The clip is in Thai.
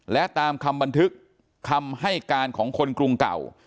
และตามคำบันทึกคำให้การของคนกรุงเก่า